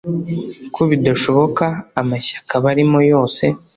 ko bidashoboka amashyaka barimo yose